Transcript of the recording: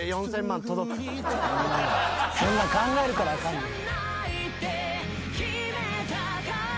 そんな考えるからあかんねん。